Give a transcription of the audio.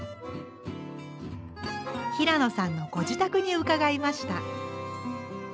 平野さんのご自宅に伺いました。